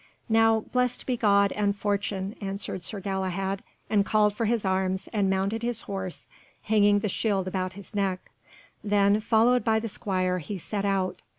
"Now blessed be God and fortune," answered Sir Galahad, and called for his arms, and mounted his horse, hanging the shield about his neck. Then, followed by the squire, he set out.